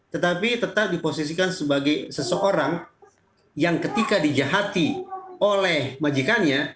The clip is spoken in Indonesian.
tetapi tetap diposisikan sebagai seseorang yang ketika dijahati oleh majikannya